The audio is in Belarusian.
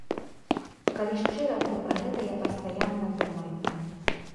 Калі шчыра, то пра гэта я пастаянна думаю.